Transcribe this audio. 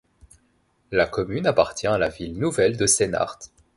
La commune appartient à la ville nouvelle de Sénart.